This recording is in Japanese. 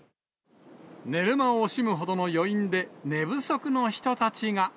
寝る間を惜しむほどの余韻で、寝不足の人たちが。